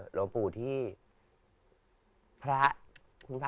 หลวงปู่ที่พระ